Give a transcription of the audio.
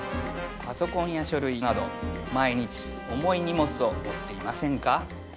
パソコンや書類など毎日重い荷物を持っていませんか？